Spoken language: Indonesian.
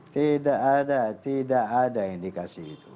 tidak ada tidak ada indikasi itu